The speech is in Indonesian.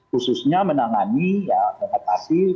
khususnya menangani mengatasi